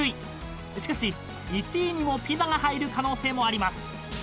［しかし１位にもピザが入る可能性もあります］